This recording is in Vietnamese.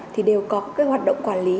thì đều có cái hoạt động quản lý